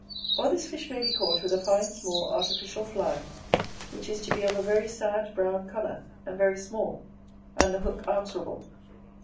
Or this fish may be caught with a fine small artificial fly, which is to be of a very sad brown colour, and very small, and the hook answerable.